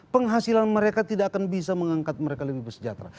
penghasilan mereka tidak akan bisa mengangkat mereka lebih bersejahtera